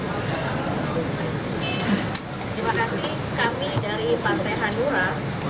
terima kasih kami dari partai hanura